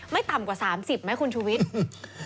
ต่ำกว่า๓๐ไหมคุณชุวิต